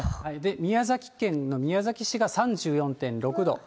宮崎県の宮崎市が３４．６度。